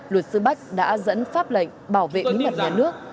luật sư bách đã dẫn pháp lệnh bảo vệ bí mật nhà nước